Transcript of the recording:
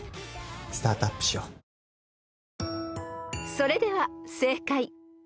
［それでは正解］